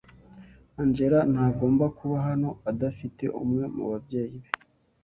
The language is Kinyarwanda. Angella ntagomba kuba hano adafite umwe mubabyeyi be.